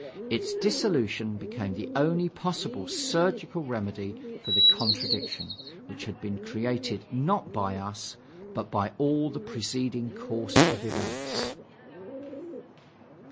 Its dissolution became the only possible surgical remedy for the contradiction, which had been created, not by us, but by all the preceding course of events.